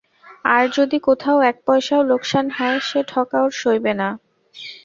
আর যদি কোথাও এক পয়সাও লোকসান হয় সে-ঠকা ওঁর সইবে না।